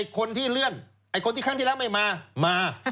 คนที่เลื่อนไอ้คนที่ครั้งที่แล้วไม่มามา